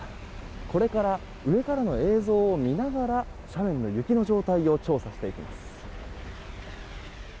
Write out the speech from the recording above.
これから上からの映像を見ながら斜面の雪の状態を調査していきます。